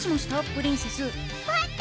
プリンセスばった！